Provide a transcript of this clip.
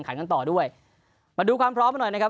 กันต่อด้วยมาดูความพร้อมกันหน่อยนะครับ